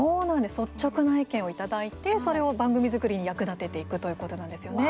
率直な意見をいただいてそれを番組作りに役立てていくということなんですよね。